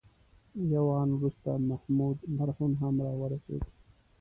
یو آن وروسته محمود مرهون هم راورسېد.